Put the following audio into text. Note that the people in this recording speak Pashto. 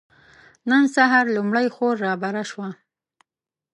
نن سهار لومړۍ خور رابره شوه.